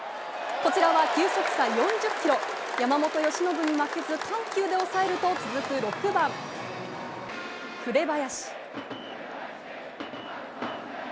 こちらは球速差４０キロ、山本由伸に負けず緩急で抑えると、続く６番紅林。